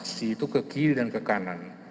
si itu ke kiri dan ke kanan